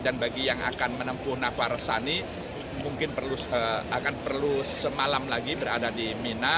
dan bagi yang akan menempuh nafar resani mungkin akan perlu semalam lagi berada di mina